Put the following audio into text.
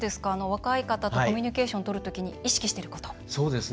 若い方とコミュニケーションとるとき意識していること。